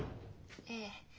ええ。